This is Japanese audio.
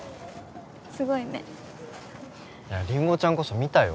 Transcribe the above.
すごいねりんごちゃんこそ見たよ